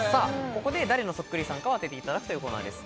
ここで誰のそっくりさんかを当てていただくというコーナーです。